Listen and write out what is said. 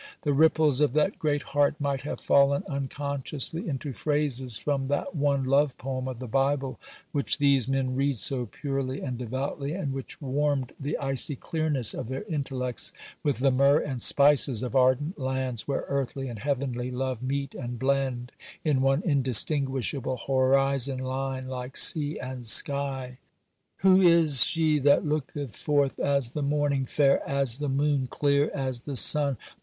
The ripples of that great heart might have fallen unconsciously into phrases from that one love poem of the Bible which these men read so purely and devoutly, and which warmed the icy clearness of their intellects with the myrrh and spices of ardent lands, where earthly and heavenly love meet and blend in one indistinguishable horizon line, like sea and sky. 'Who is she that looketh forth as the morning, fair as the moon? clear as the sun?